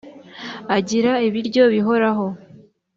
agira ibiryo bihoraho